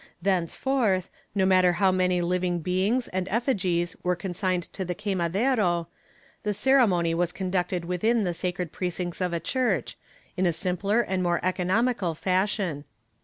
Thenceforth, no matter how many living beings and effigies were consigned to the quemadero, the ceremony was conducted within the sacred precincts of a church, in a simpler and more economical fashion.